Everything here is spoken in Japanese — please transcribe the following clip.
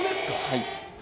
はい。